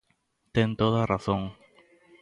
Ten toda a razón.